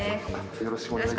よろしくお願いします。